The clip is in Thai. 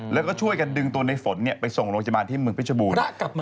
แล้วก็ช่วยกันดึงตัวในฝนไปส่งโรงพยาบาลที่เมืองเพชรบูรณ์